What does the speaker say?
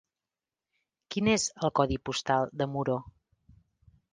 Quin és el codi postal de Muro?